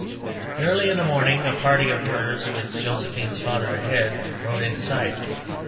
Early in the morning a party of herders, with Josephine's father ahead, rode into sight.